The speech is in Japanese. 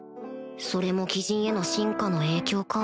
それも鬼人への進化の影響か